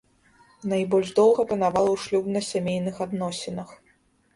Найбольш доўга панавала ў шлюбна-сямейных адносінах.